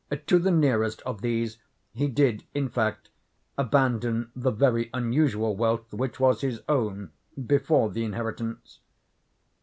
To the nearest of these he did, in fact, abandon the very unusual wealth which was his own before the inheritance.